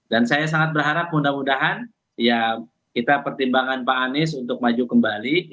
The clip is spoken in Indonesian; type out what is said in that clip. dan saya sangat berharap mudah mudahan kita pertimbangkan pak anies untuk maju kembali